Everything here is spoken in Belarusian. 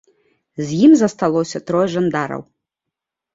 З ім засталося трое жандараў.